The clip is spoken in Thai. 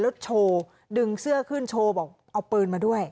แล้วโชว์ดึงเสื้อขึ้นโชว์บอกเอาปืนมาด้วย